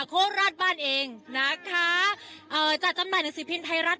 โคราชบ้านเองนะคะเอ่อจัดจำหน่ายหนังสือพิมพ์ไทยรัฐ